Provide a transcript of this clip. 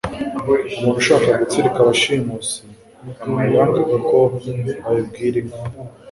Umuntu ushaka gutsirika abashimusi, yanga ko bamwibira inka,